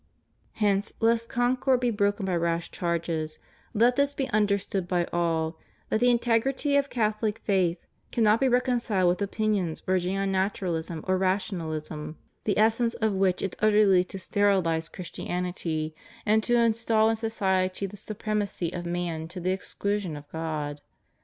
Hence, lest concord be broken by rash charges, let this be understood by all, that the integrity of Catholic faith cannot be reconciled with opinions verging on Natural ism or Rationalism, the essence of which is utterly to steril ize Christianity, and to instal in society the supremacy of man to the exclusion of God.